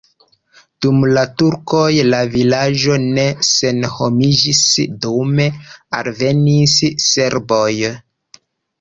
Dum la turkoj la vilaĝo ne senhomiĝis, dume alvenis serboj.